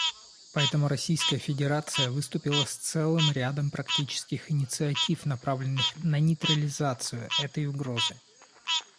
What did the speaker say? Поэтому Российская Федерация выступила с целым рядом практических инициатив, направленных на нейтрализацию этой угрозы.